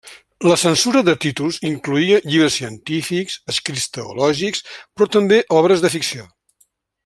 La censura de títols incloïa llibres científics, escrits teològics, però també obres de ficció.